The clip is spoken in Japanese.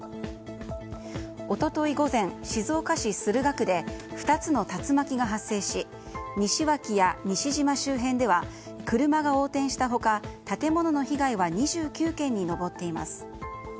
一昨日午前、静岡市駿河区で２つの竜巻が発生し西脇や西島周辺では車が横転した他建物の被害は２９件に上っています。